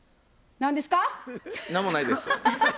何もないです。